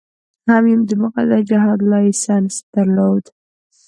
هم یې د مقدس جهاد لایسنس درلود.